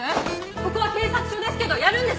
ここは警察署ですけどやるんです？